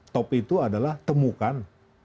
top itu adalah temukan